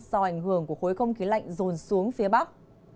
do ảnh hưởng của khối không khí lạnh rồn xuống phía bắc